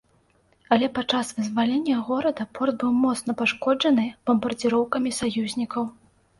Але пад час вызвалення горада, порт быў моцна пашкоджаны бамбардзіроўкамі саюзнікаў.